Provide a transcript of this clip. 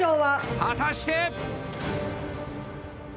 果たして！